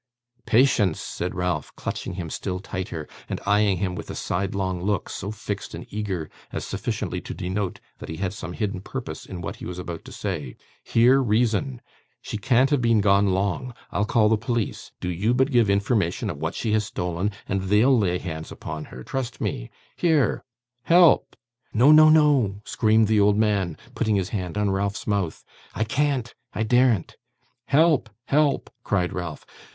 'Patience!' said Ralph, clutching him still tighter and eyeing him with a sidelong look, so fixed and eager as sufficiently to denote that he had some hidden purpose in what he was about to say. 'Hear reason. She can't have been gone long. I'll call the police. Do you but give information of what she has stolen, and they'll lay hands upon her, trust me. Here! Help!' 'No, no, no!' screamed the old man, putting his hand on Ralph's mouth. 'I can't, I daren't.' 'Help! help!' cried Ralph.